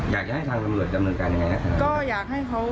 อยากให้ทางจำนวนการยังไงนะครับ